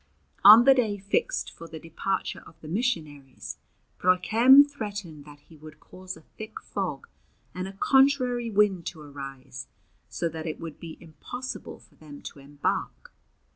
On the day fixed for the departure of the missionaries, Broichem threatened that he would cause a thick fog and a contrary wind to arise, so that it would be impossible for them to embark.